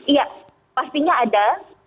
iya pastinya ada